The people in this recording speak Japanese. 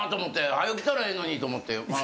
はよ来たらええのにと思って。